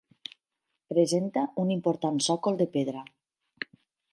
Presenta un important sòcol de pedra.